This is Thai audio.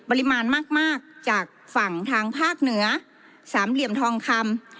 ปริมาณมากจากฝั่งทางภาคเหนือสามเหลี่ยมทองคำ